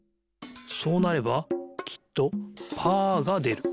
そうなればきっとパーがでる。